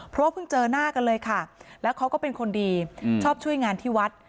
เพราะว่าเพิ่งเจอหน้ากันเลยค่ะแล้วเขาก็เป็นคนดีชอบช่วยงานที่วัด